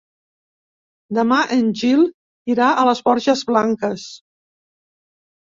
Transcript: Demà en Gil irà a les Borges Blanques.